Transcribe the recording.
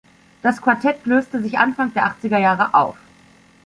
Das Quartett löste sich Anfang der achtziger Jahre auf.